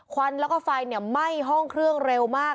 ควันแล้วก็ไฟไหม้ห้องเครื่องเร็วมาก